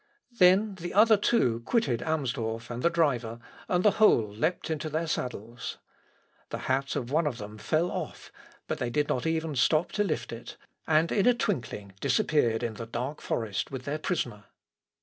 Then the other two quitted Amsdorff and the driver, and the whole lept into their saddles. The hat of one of them fell off, but they did not even stop to lift it, and in a twinkling disappeared in the dark forest with their prisoner.